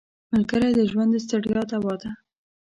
ملګری د ژوند د ستړیا دوا ده